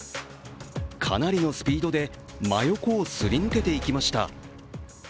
かなりのスピードで真横をすり抜けていきました。